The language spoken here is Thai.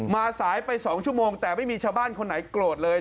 สายไป๒ชั่วโมงแต่ไม่มีชาวบ้านคนไหนโกรธเลย